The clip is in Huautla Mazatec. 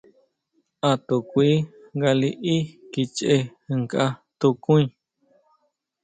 A to kui nga liʼí kichʼe nkʼa tukuí.